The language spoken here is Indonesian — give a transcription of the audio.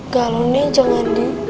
galonnya jangan di